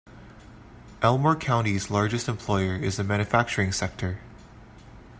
Elmore County's largest employer is the manufacturing sector.